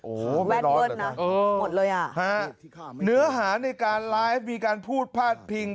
โอ้ไม่ร้อนเหรอครับโอ้ฮะเนื้อหาในการไลฟ์มีการพูดพลาดพิง